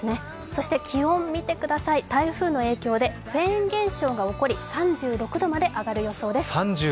そして気温、見てください、台風の影響でフェーン現象が起こり３６度まで上がる予想です。